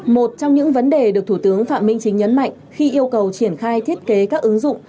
một trong những vấn đề được thủ tướng phạm minh chính nhấn mạnh khi yêu cầu triển khai thiết kế các ứng dụng